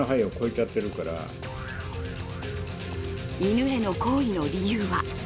犬への行為の理由は？